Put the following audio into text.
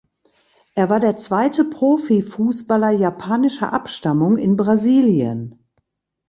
Er war der zweite Profifußballer japanischer Abstammung in Brasilien.